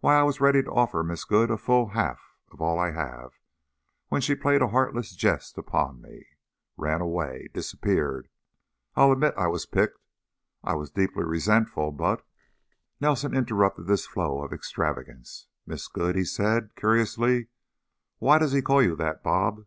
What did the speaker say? Why, I was ready to offer Miss Good a full half of all I have, when she played a heartless jest upon me. Ran away! Disappeared! I'll admit I was piqued. I was deeply resentful, but " Nelson interrupted this flow of extravagance. "'Miss Good'?" he said, curiously. "Why does he call you that, 'Bob'?"